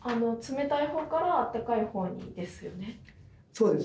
そうです。